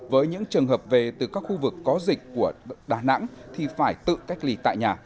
với những trường hợp về từ các khu vực có dịch của đà nẵng thì phải tự cách ly tại nhà